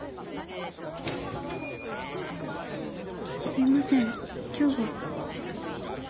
・すいません今日は。